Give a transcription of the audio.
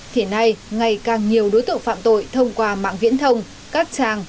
thì nay ngày càng nhiều đối tượng phạm tội thông qua mạng viễn thông các trang